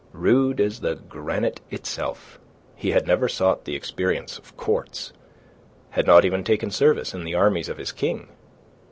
Rude as the granite itself, he had never sought the experience of courts, had not even taken service in the armies of his King.